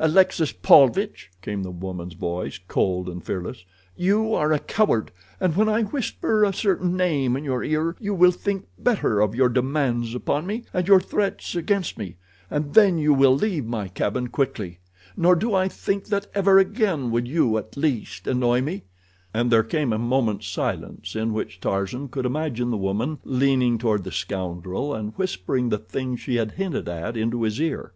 "Alexis Paulvitch," came the woman's voice, cold and fearless, "you are a coward, and when I whisper a certain name in your ear you will think better of your demands upon me and your threats against me, and then you will leave my cabin quickly, nor do I think that ever again will you, at least, annoy me," and there came a moment's silence in which Tarzan could imagine the woman leaning toward the scoundrel and whispering the thing she had hinted at into his ear.